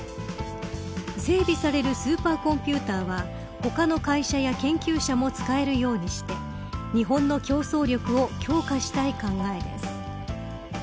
整備されるスーパーコンピューターは他の会社や研究者も使えるようにして日本の競争力を強化したい考えです。